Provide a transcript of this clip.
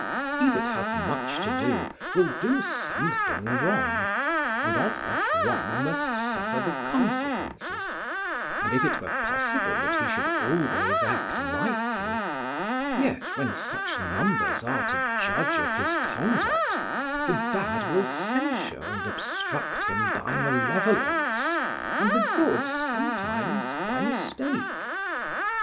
"He that hath much to do will do something wrong, and of that wrong must suffer the consequences, and if it were possible that he should always act rightly, yet, when such numbers are to judge of his conduct, the bad will censure and obstruct him by malevolence and the good sometimes by mistake.